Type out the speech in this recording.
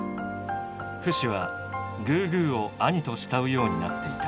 フシはグーグーを「兄」と慕うようになっていた。